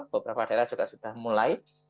beberapa daerah juga sudah mulai